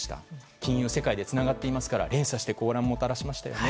金融世界でつながっていますから連鎖して混乱をもたらしましたよね。